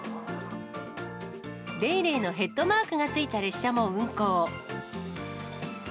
レイレイのヘッドマークがついた列車も運行。